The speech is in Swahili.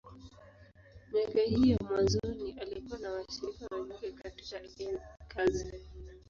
Miaka hii ya mwanzoni, alikuwa na washirika wenzake katika kazi.